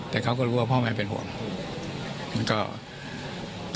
แต่เขาก็รู้ว่าพ่อแม่เป็นห่วงมันก็